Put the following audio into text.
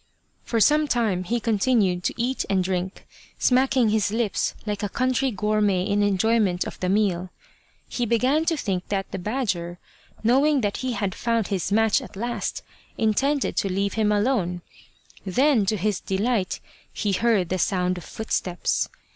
For some time he continued to eat and drink, smack ing his lips like a country gourmet in enjoyment of the meal. He began to think that the badger, knowing that he had found his match at last, intended to leave 272 The Badger Haunted Temple him alone. Then to his delight, he heard the sound of footsteps.